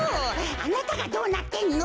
あなたがどうなってんの。